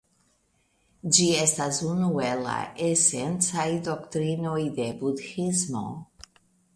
Ĝi estas unu el la esencaj doktrinoj de Budhismo.